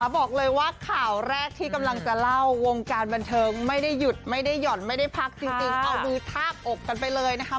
บอกเลยว่าข่าวแรกที่กำลังจะเล่าวงการบันเทิงไม่ได้หยุดไม่ได้หย่อนไม่ได้พักจริงเอามือทาบอกกันไปเลยนะคะ